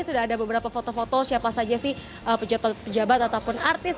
sudah ada beberapa foto foto siapa saja sih pejabat pejabat ataupun artis